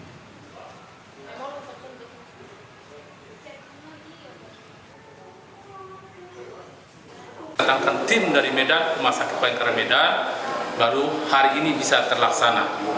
datangkan tim dari medan masakit pemikiran medan baru hari ini bisa terlaksana